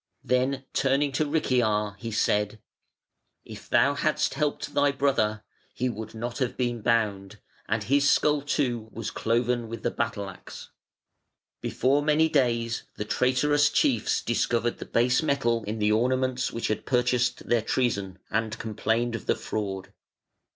Then turning to Richiar, he said: "If thou hadst helped thy brother, he would not have been bound"; and his skull too was cloven with the battle axe. Before many days the traitorous chiefs discovered the base metal in the ornaments which had purchased their treason, and complained of the fraud.